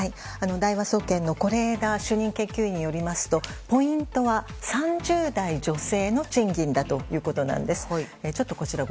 大和総研の是枝主任研究員によりますとポイントは３０代女性の賃金だということなんです。